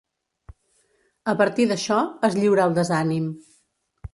A partir d'això, es lliura al desànim.